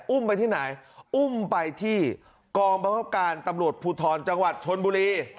อุ้มไปที่ไหนอุ้มไปที่กองบังคับการตำรวจภูทรจังหวัดชนบุรี